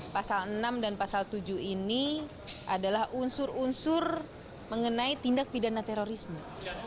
pasal enam dan pasal tujuh ini adalah unsur unsur mengenai tindak pidana terorisme